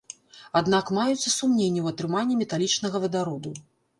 Аднак маюцца сумненні ў атрыманні металічнага вадароду.